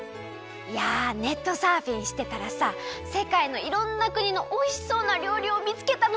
いやネットサーフィンしてたらさせかいのいろんなくにのおいしそうなりょうりをみつけたの。